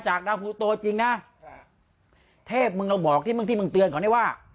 จากแล้วผู้โตจริงนะเทพมึงบอกที่มึงที่มึงเตือนเขานี่ว่า